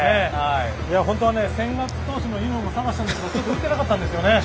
本当は千賀投手のユニホームも探したんですけどちょっと売ってなかったんですよね。